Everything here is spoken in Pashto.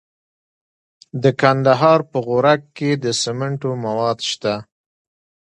د کندهار په غورک کې د سمنټو مواد شته.